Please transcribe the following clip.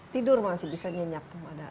tidur masih bisa nyenyak